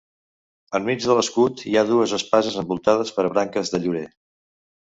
Enmig de l'escut hi ha dues espases envoltades per branques de llorer.